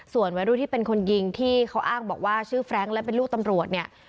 ส่วนวัยรุ่นที่เป็นคนยิงที่เขาอ้างบอกว่าชื่อแฟรงค์และเป็นลูกตำรวจเนี่ย